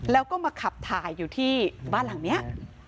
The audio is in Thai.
แล้วก็มาขับถ่ายอยู่ที่บ้านหลังนี้